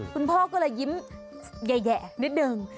คุณพ่อก็เลยยิ้มแหย่นิดนึง